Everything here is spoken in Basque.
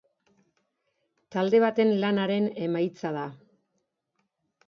Talde baten lanaren emaitza da.